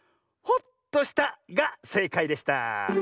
「ホッとした」がせいかいでした。